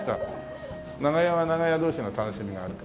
長屋は長屋同士の楽しみがあるから。